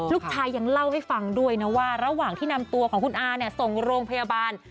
ลูกชายยังเล่าให้ฟังด้วยนะว่าระหว่างที่นำตัวของคุณอาเนี่ยส่งโรงพยาบาล